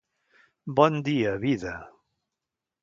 Bon dia, vida!